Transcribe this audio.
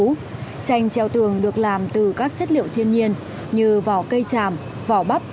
tranh treo tường được làm từ các chất liệu thiên nhiên như vỏ cây tràm vỏ bắp